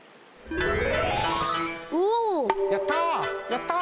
やった！